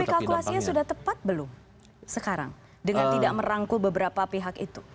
tapi kalkulasinya sudah tepat belum sekarang dengan tidak merangkul beberapa pihak itu